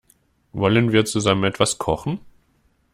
Wollen wir zusammen etwas kochen?